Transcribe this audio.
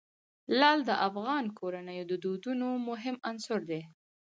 لعل د افغان کورنیو د دودونو مهم عنصر دی.